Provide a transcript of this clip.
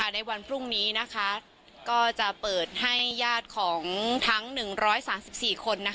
ในวันพรุ่งนี้ก็จะเปิดให้ญาติของทั้ง๑๓๔คน